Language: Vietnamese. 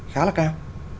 khá là cao